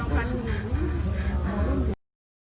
เมื่อ